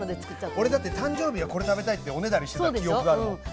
俺だって誕生日はこれ食べたいっておねだりしてた記憶があるもん。